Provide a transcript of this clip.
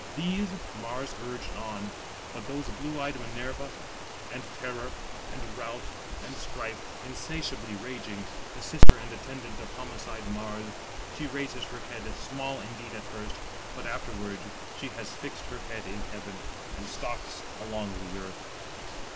These Mars urged on, but those blue eyed Minerva, 190 and Terror, and Rout, and Strife, insatiably raging, the sister and attendant of homicide Mars, she raises her head, small indeed at first, but afterwards she has fixed her head in heaven, and stalks along the earth.